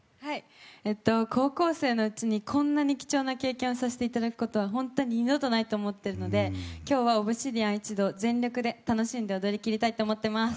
高校生のうちにこんなに貴重な経験をさせていただくことは本当に二度とないと思ってるので今日はＯＢＳＩＤＩＡＮ一同全力で楽しんで踊り切りたいと思っています。